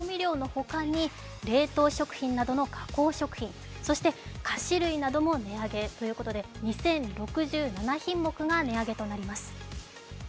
９月はみそやしょうゆなどの調味料の他に、冷凍食品などの加工食品、そして菓子類なども値上げということで２０６７品目が値上げとなります。